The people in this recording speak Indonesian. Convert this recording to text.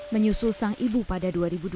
menyusul sang ibu pada dua ribu dua